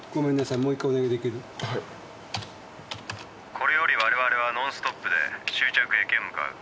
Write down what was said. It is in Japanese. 「これより我々はノンストップで終着駅へ向かう」